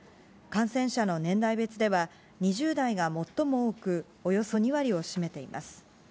感染者の年代別では２０代が最も多く、およそ２割を占めています。